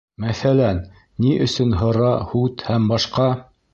Мәҫәлән, ни өсөн һыра, һут һәм башҡа